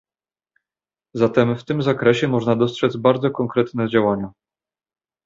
Zatem w tym zakresie można dostrzec bardzo konkretne działania